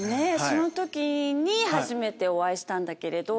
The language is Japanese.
その時に初めてお会いしたけど。